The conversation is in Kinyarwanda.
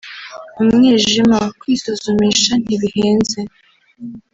umwijima […] kwisuzumisha ntibihenze